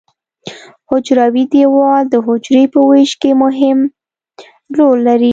حجروي دیوال د حجرې په ویش کې مهم رول لري.